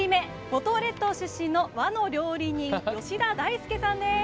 五島列島出身の和の料理人吉田大輔さんです。